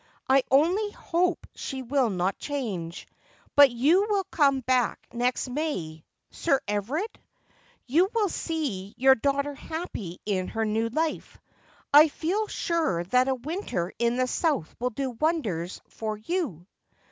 I only hope she will not change. But you will come back next May, Sir Everard ? You will see your daughter happy in her new life. I feel sure that a winter in the south will do wonders for you.'